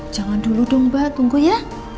jangan dulu dong mbak tunggu ya